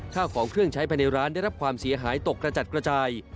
ข้าวของเครื่องใช้ภายในร้านได้รับความเสียหายตกกระจัดกระจาย